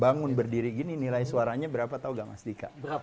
bangun berdiri gini nilai suaranya berapa tau gak mas dika